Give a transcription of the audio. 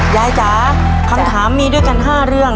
จ๋าคำถามมีด้วยกัน๕เรื่อง